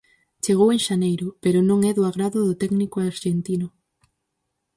Chegou en xaneiro, pero non é do agrado do técnico arxentino.